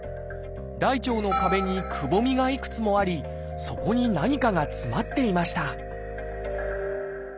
大腸の壁にくぼみがいくつもありそこに何かが詰まっていました